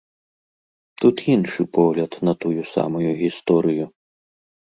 Тут іншы погляд на тую самую гісторыю.